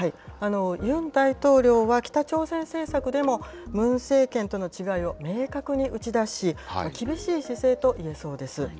ユン大統領は、北朝鮮政策でも、ムン政権との違いを明確に打ち出し、厳しい姿勢といえそうです。